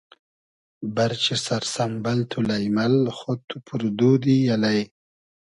بئرچی سئر سئمبئل تو لݷمئل خۉد تو پور دودی الݷ